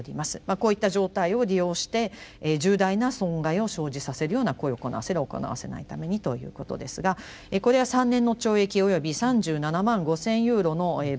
こういった状態を利用して重大な損害を生じさせるような行為を行わせる行わせないためにということですがこれは３年の懲役および３７万５，０００ユーロの罰金とすると。